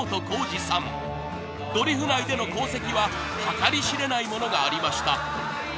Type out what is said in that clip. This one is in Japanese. ［ドリフ内での功績は計り知れないものがありました］